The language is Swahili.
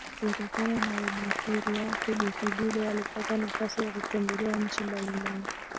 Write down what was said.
Kutokana na umahiri wake bi kidude alipata nafasi ya kutembelea nchi mbalimbali